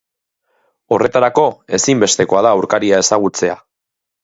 Horretarako ezinbestekoa da aurkaria ezagutzea.